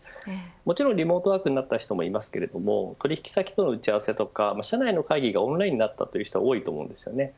もちろんリモートワークになった人もいますけれども取引先との打ち合わせとか社内の会議がオンラインになったという人は多いと思うんですよね。